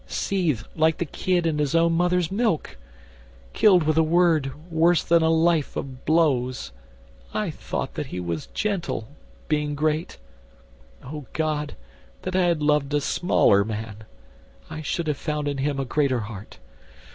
Seethed like the kid in its own mother's milk! Killed with a word worse than a life of blows! I thought that he was gentle, being great: O God, that I had loved a smaller man! I should have found in him a greater heart.